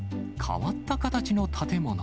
変わった形の建物。